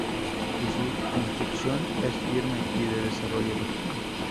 Y su construcción es firme y de desarrollo lógico.